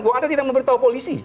bahwa anda tidak memberitahu polisi